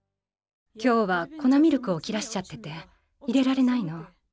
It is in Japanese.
今日はこなミルクを切らしちゃってて入れられないの。